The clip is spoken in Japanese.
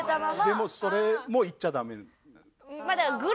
でもそれも言っちゃダメ？